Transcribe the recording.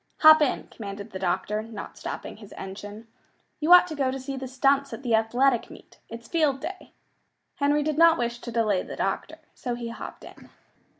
"Hop in," commanded the doctor, not stopping his engine. "You ought to go to see the stunts at the athletic meet. It's Field Day." Henry did not wish to delay the doctor, so he "hopped in."